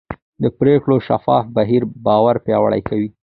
د پرېکړو شفاف بهیر باور پیاوړی کوي